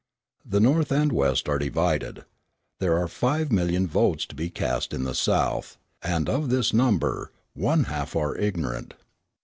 The North and West are divided. There are five million votes to be cast in the South; and, of this number, one half are ignorant.